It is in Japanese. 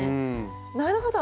なるほど。